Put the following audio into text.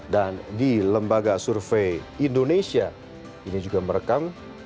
dan di lembaga survei indonesia ini juga merekam